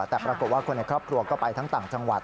แต่ปรากฏว่าคนในครอบครัวก็ไปทั้งต่างจังหวัด